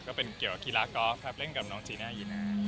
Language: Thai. ก็เป็นเกี่ยวกับกีฬากอล์ฟครับเล่นกับน้องจีน่ายีน่า